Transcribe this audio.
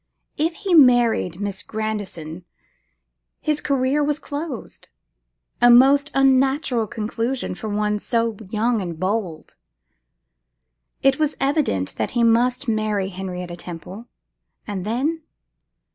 If he married Miss Grandison, his career was closed: a most unnatural conclusion for one so young and bold. It was evident that he must marry Henrietta Temple: and then?